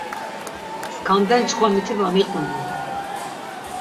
Skanden çkva miti va miqonun.